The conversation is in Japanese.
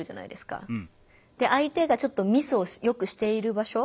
相手がちょっとミスをよくしている場所